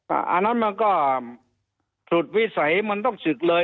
อันนั้นมันก็สุดวิสัยมันต้องศึกเลย